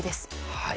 はい。